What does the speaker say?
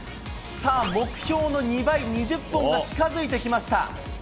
さあ、目標の２倍、２０本が近づいてきました。